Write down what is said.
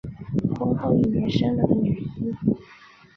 婚后一年生了个女婴